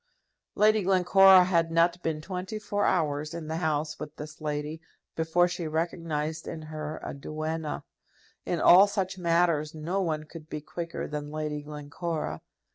Lady Glencora had not been twenty four hours in the house with this lady before she recognized in her a duenna. In all such matters no one could be quicker than Lady Glencora.